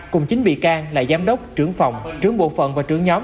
cùng chín bị can là giám đốc trưởng phòng trưởng bộ phận và trưởng nhóm